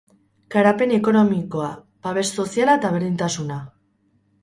Garapen ekonomikoa, babes soziala ta berdintasuna.